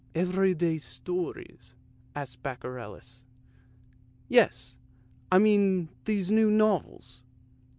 "" Everyday Stories? " asked the Baccalaureus. " Yes; I mean these new novels."